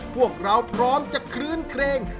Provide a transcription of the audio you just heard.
พวกเราพร้อมจะคลื้นเครง